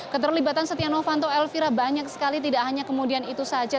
keterlibatan setia novanto elvira banyak sekali tidak hanya kemudian itu saja